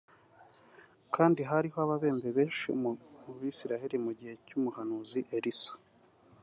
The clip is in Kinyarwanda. Kandi hariho ababembe benshi mu bisirayeli mu gihe cy’umuhanuzi Elisa